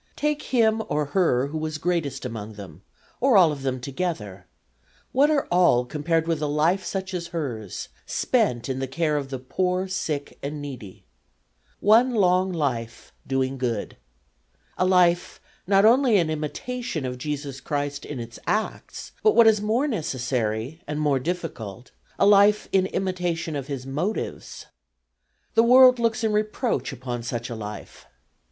Take him or her who was greatest among them, or all of them together, what are all compared with a life such as hers, spent in the care of the poor, sick and needy? One long life doing good. A life not only an imitation of Jesus Christ in its acts, but what is more necessary and more difficult, a life in imitation of His motives. The world looks in reproach upon such a life.